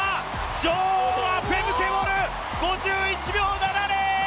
女王はフェムケ・ボル、５７秒１０！